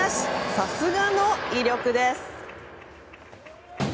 さすがの威力です。